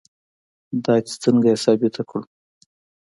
دا چې څنګه یې ثابته کړو.